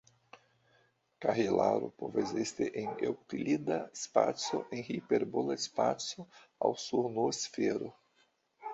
Kahelaro povas esti en eŭklida spaco, en hiperbola spaco aŭ sur "n"-sfero.